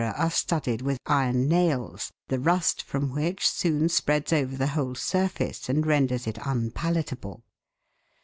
are studded with iron nails, the rust from which soon spreads over the whole surface and renders it unpalatable.